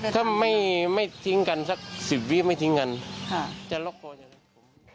ถ้าไม่ทิ้งกันสักสิบวิไม่ทิ้งกันค่ะจะลดพอดี